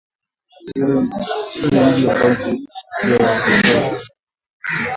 Isiolo ni mji wa kaunti ya Isiolo katikati mwa Kenya